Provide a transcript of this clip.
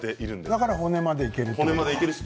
だから骨までいけるんだ。